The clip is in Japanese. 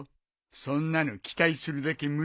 そんなの期待するだけ無駄だね。